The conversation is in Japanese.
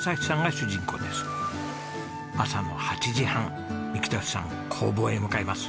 朝の８時半幹寿さん工房へ向かいます。